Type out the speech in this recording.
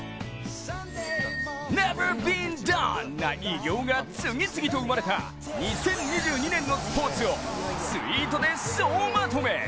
ネバー・ビーン・ダンな偉業が次々と生まれた２０２２年のスポーツをツイートで総まとめ。